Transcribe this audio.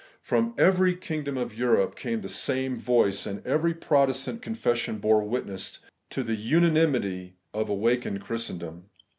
From every kingdom of Europe came the same voice ; and every Protestant Con fession bore witness to the unanimity of awakened Christendom.